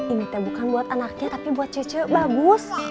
ini teh bukan buat anaknya tapi buat cece bagus